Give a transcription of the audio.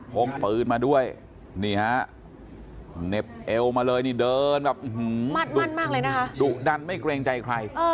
โพงปืนมาด้วยเน็บเอวมาเลยเดินแบบดุดันไม่เกรงใจใคร